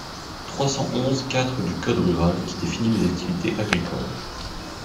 trois cent onze-quatre du code rural, qui définit les activités agricoles.